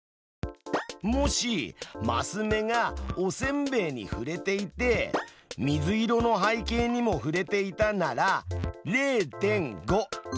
もしマス目がおせんべいにふれていて水色の背景にもふれていたなら０．５。